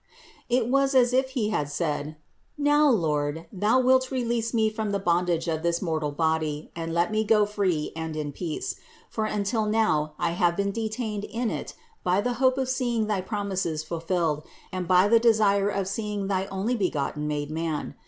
It was as if He had said : "Now, Lord, thou wilt release me from the bondage of this mortal body and let me go free and in peace; for until now have I been detained in it by the hope of seeing thy promises fulfilled and by the desire of seeing thy Onlybegotten made man.